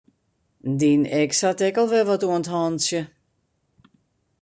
Dyn eks hat ek al wer wat oan 't hantsje.